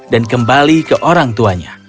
dan kembali ke orang tuanya